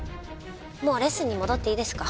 もうレッスンに戻っていいですか？